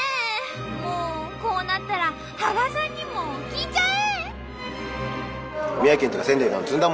もうこうなったら芳賀さんにも聞いちゃえ！